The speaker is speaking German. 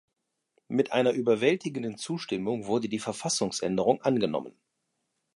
Mit einer überwältigenden Zustimmung wurde die Verfassungsänderung angenommen.